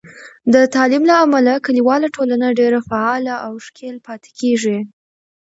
د تعلیم له امله، کلیواله ټولنه ډیر فعاله او ښکیل پاتې کېږي.